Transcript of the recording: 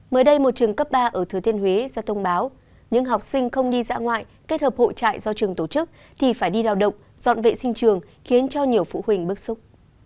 mới đây một trường cấp ba ở thừa thiên huế ra thông báo những học sinh không đi dã ngoại kết hợp hội trại do trường tổ chức thì phải đi lao động dọn vệ sinh trường khiến cho nhiều phụ huynh bức xúc